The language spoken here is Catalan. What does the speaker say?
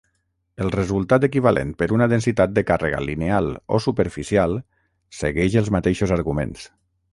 El resultat equivalent per una densitat de càrrega lineal o superficial segueix els mateixos arguments.